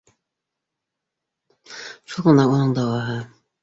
Шул ғына уның дауаһы